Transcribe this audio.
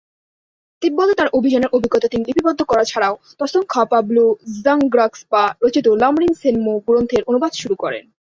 তিব্বতে তার অভিযানের অভিজ্ঞতা তিনি লিপিবদ্ধ করা ছাড়াও ত্সোং-খা-পা-ব্লো-ব্জাং-গ্রাগ্স-পা রচিত লাম-রিম-ছেন-মো গ্রন্থের অনুবাদ শুরু করেন।